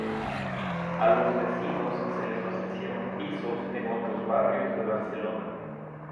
A los vecinos se les ofrecieron pisos en otros barrios de Barcelona.